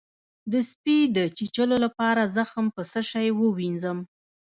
د سپي د چیچلو لپاره زخم په څه شی ووینځم؟